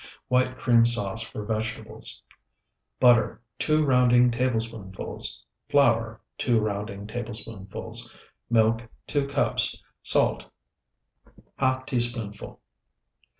WHITE CREAM SAUCE FOR VEGETABLES Butter, 2 rounding tablespoonfuls. Flour, 2 rounding tablespoonfuls. Milk, 2 cups. Salt, ½ teaspoonful.